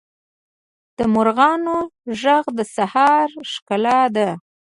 د مرغانو ږغ د سهار ښکلا ده.